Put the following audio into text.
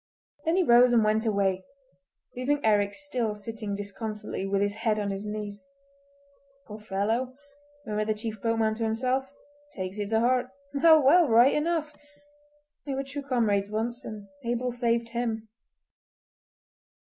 Then he rose and went away, leaving Eric still sitting disconsolately with his head on his knees. "Poor fellow!" murmured the chief boatman to himself; "he takes it to heart. Well, well! right enough! They were true comrades once, and Abel saved him!"